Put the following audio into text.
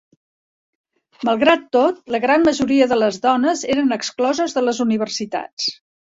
Malgrat tot, la gran majoria de les dones eren excloses de les universitats.